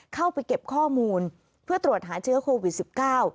เข้าไปเก็บข้อมูลเพื่อตรวจหาเชื้อโควิดสิบเก้า